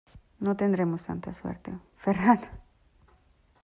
¡No tendremos tanta suerte, Ferran!